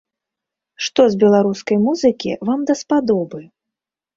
Што з беларускай музыкі вам даспадобы?